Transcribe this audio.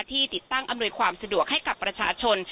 ที่ติดตั้งอำนวยความสะดวกให้กับประชาชน